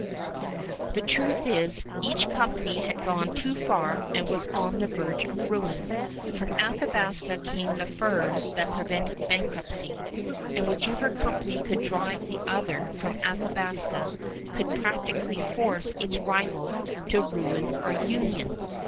The truth is, each company had gone too far and was on the verge of ruin. From Athabasca came the furs that prevented bankruptcy, and whichever company could drive the other from Athabasca could practically force its rival to ruin or union.